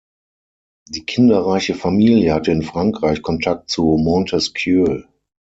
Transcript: Die kinderreiche Familie hatte in Frankreich Kontakt zu Montesquieu.